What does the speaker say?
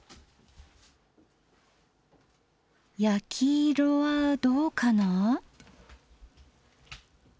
焼き色はどうかな？